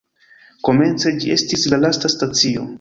Komence ĝi estis la lasta stacio.